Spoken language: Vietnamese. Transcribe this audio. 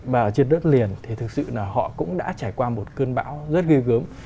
và trên đất liền thì thực sự là họ cũng đã trải qua một cơn bão rất ghê gớm